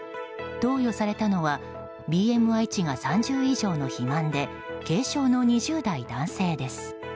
投与されたのはＢＭＩ値が３０以上の肥満で軽症の２０代男性です。